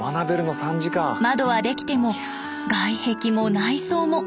窓はできても外壁も内装も。